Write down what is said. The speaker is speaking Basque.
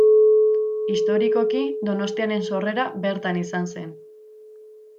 Historikoki Donostiaren sorrera bertan izan zen.